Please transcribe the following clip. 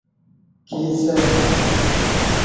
کیسہ